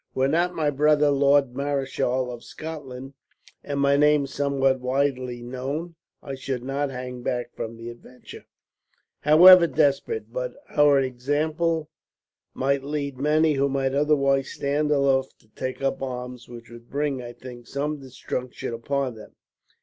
Were not my brother Lord Marischal of Scotland, and my name somewhat widely known, I should not hang back from the adventure, however desperate; but our example might lead many who might otherwise stand aloof to take up arms, which would bring, I think, sure destruction upon them.